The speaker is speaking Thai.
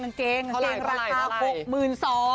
กางเกงราคา๖๒๐๐๐